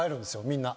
みんな。